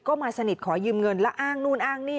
ก็มาสนิทขอยืมเงินแล้วอ้างนู่นอ้างนี่